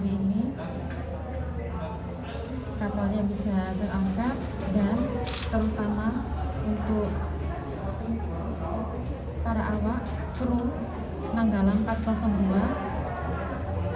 dan berharap berharap berharap berharap berharap